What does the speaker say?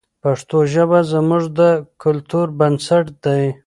پښتو ژبه زموږ د کلتور بنسټ دی.